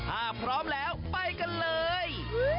ถ้าพร้อมแล้วไปกันเลย